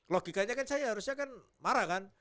logikanya kan saya harusnya kan marah kan